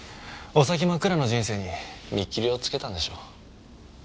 お先真っ暗の人生に見切りをつけたんでしょう。